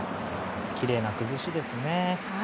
きれいな崩しですね。